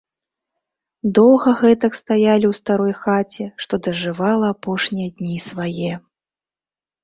Доўга гэтак стаялі ў старой хаце, што дажывала апошнія дні свае.